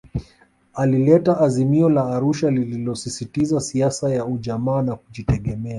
Alileta Azimio la Arusha lililosisitiza siasa ya Ujamaa na Kujitegemea